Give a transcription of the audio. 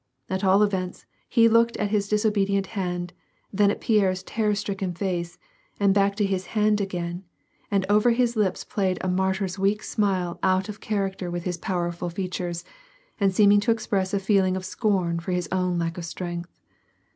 At all events, he looked at his disobedient hand, then at Pierre's terror stricken face and back to his hand again, and over his lips played a martyr's weak smile out of character with his powerful feat ures, and seeming to express a feeling of scorn for his own lack of strength.